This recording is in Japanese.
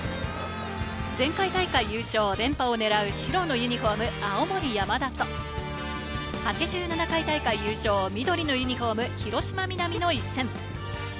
前回大会優勝、連覇を狙う白のユニホームの青森山田と、８７回大会優勝、緑のユニホーム・広島皆実の一戦。